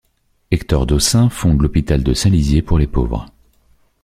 Hector d'Ossun fonde l'hôpital de Saint-Lizier pour les pauvres.